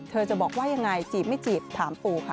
จะบอกว่ายังไงจีบไม่จีบถามปูค่ะ